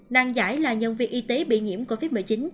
nàng giải là nhân viên y tế bị nhiễm covid một mươi chín